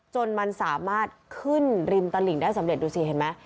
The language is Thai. จนมันสามารถขึ้นริมตลิ่งได้สำเร็จดูสิเห็นไหม